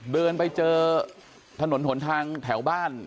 เดินไปเจอถนนหนทางแถวบ้าน